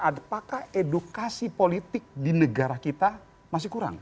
apakah edukasi politik di negara kita masih kurang